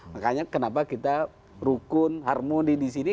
makanya kenapa kita rukun harmoni disini